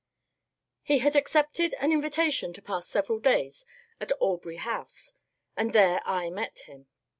He had accepted an invitation to pass several days at Aubrey House, and there I met him.